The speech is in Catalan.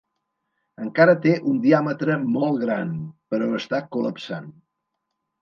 Encara té un diàmetre molt gran, però està col·lapsant.